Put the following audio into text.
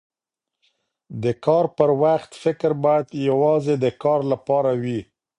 د کار پر وخت فکر باید یواځې د کار لپاره وي.